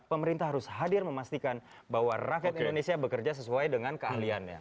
pemerintah harus hadir memastikan bahwa rakyat indonesia bekerja sesuai dengan keahliannya